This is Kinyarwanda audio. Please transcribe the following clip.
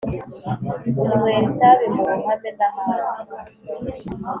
unywera itabi mu ruhame n ahandi